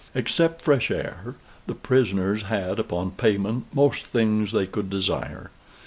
Except fresh air, the prisoners had, upon payment, most things they could desire.